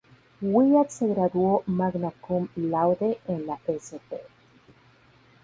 Wyatt se graduó "magna cum laude" en la St.